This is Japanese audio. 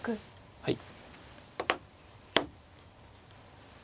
はい。